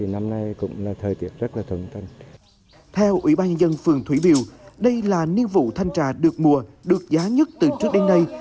năm nay vụ mua thanh trà mang lại nâng suất cao chất lượng quả đồng đều mẫu mã đẹp